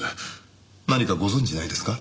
何かご存じないですか？